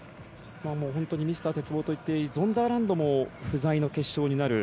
本当にミスター鉄棒といっていいゾンダーランドも不在の決勝になる。